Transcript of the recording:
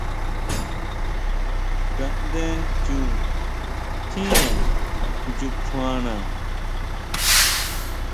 Ngaʼndé chu tjínre nyukjuana.